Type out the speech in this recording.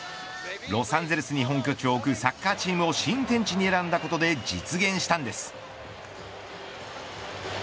ロサンゼルスに本拠地を置くサッカーチームを新天地に選んだことで実現したんです。